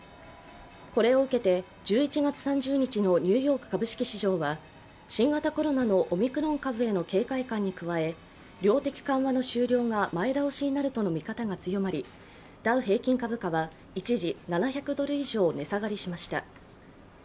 これを受けて１１月３０日のニューヨーク株式市場は新型コロナのオミクロン株への警戒感に加え量的緩和の終了が前倒しになるとの見方が強まりダウ平均株価は一時７００ドル以上値下がりしました。